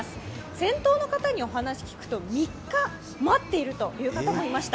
先頭の方にお話聞くと３日待っているという方もいました。